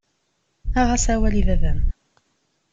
Aɣ-as awal i baba-m.